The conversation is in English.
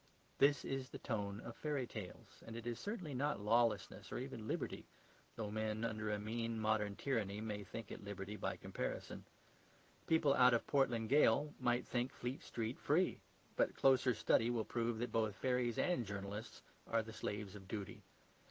This is the tone of fairy tales, and it is certainly not lawlessness or even liberty, though men under a mean modern tyranny may think it liberty by comparison. People out of Portland Gaol might think Fleet Street free; but closer study will prove that both fairies and journalists are the slaves of duty.